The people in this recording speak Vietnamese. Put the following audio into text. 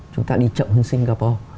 chúng ta đi chậm hơn singapore